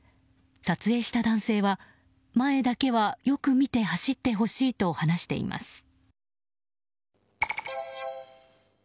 撮影した男性は前だけはよく見て走ってほしいと話しています。